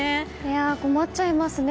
困っちゃいますね。